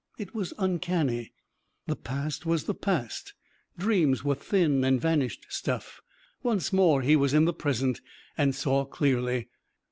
It was uncanny. The past was the past. Dreams were thin and vanished stuff. Once more he was in the present and saw clearly.